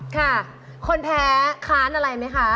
ค่ะคนแพ้ค้านอะไรไหมคะ